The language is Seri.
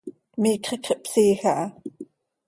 Miicx iicx ihpsiij aha.